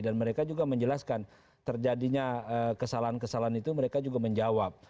dan mereka juga menjelaskan terjadinya kesalahan kesalahan itu mereka juga menjawab